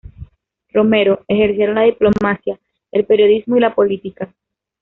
Romero, ejercieron la diplomacia, el periodismo y la política.